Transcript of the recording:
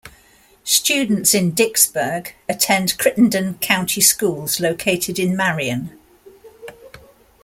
Students in Dycusburg attend Crittenden County Schools located in Marion.